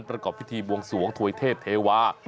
จากเกาะพิธีบวงสวงโทยเทศเทวา